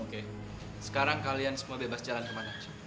oke sekarang kalian semua bebas jalan kemana